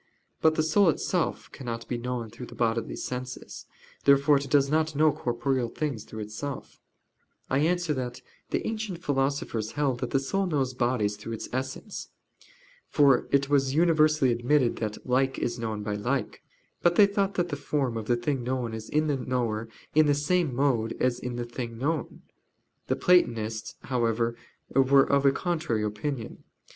But the soul itself cannot be known through the bodily senses. Therefore it does not know corporeal things through itself. I answer that, The ancient philosophers held that the soul knows bodies through its essence. For it was universally admitted that "like is known by like." But they thought that the form of the thing known is in the knower in the same mode as in the thing known. The Platonists however were of a contrary opinion.